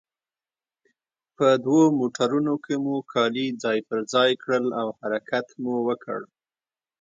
په دوو موټرونو کې مو کالي ځای پر ځای کړل او حرکت مو وکړ.